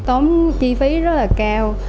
tốn chi phí rất là cao